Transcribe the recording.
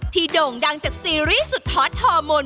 โด่งดังจากซีรีส์สุดฮอตฮอร์โมน